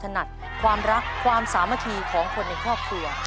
ถนัดความรักความสามัคคีของคนในครอบครัว